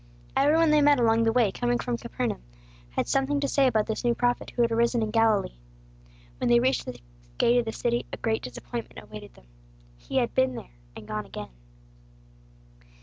Every one they met along the way coming from Capernaum had something to say about this new prophet who had arisen in Galilee. When they reached the gate of the city, a great disappointment awaited them. _He had been there, and gone again.